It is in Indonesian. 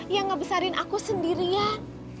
yang ngebesarin aku sendirian